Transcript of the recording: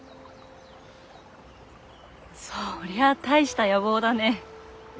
そりゃ大した野望だね。